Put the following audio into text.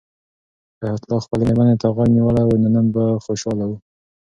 که حیات الله خپلې مېرمنې ته غوږ نیولی وای نو نن به خوشحاله و.